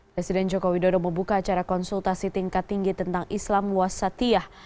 presiden joko widodo membuka acara konsultasi tingkat tinggi tentang islam wasatiyah